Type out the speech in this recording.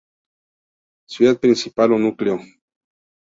Ciudad principal o núcleo